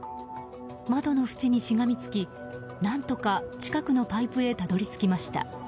窓の縁にしがみつき、何とか近くのパイプへたどり着きました。